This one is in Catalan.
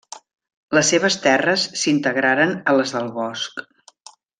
Les seves terres s'integraren a les del Bosc.